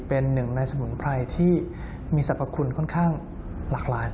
เป็นหนึ่งในสมุนไพรที่มีสรรพคุณค่อนข้างหลากหลาย